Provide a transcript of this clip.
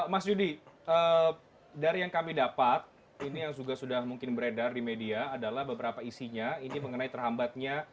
mas yudi dari yang kami dapat ini yang juga sudah mungkin beredar di media adalah beberapa isinya ini mengenai terhambatnya